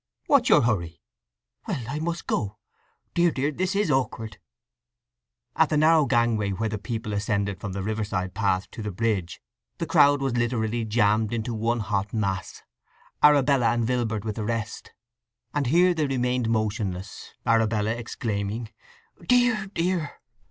"What's your hurry?" "Well, I must go… Dear, dear, this is awkward!" At the narrow gangway where the people ascended from the riverside path to the bridge the crowd was literally jammed into one hot mass—Arabella and Vilbert with the rest; and here they remained motionless, Arabella exclaiming, "Dear, dear!"